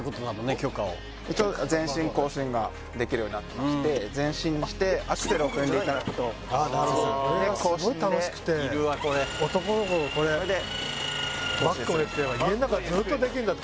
許可を一応前進後進ができるようになってまして前進してアクセルを踏んでいただくとすごい楽しくて男の子がこれバックもできて家の中ずっとできるんだって